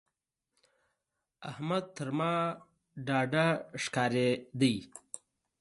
احمد تر ما ډاډه ښکارېده.